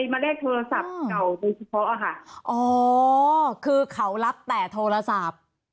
มาได้โทรศัพท์เก่าโดยเฉพาะอะค่ะอ๋อคือเขารับแต่โทรศัพท์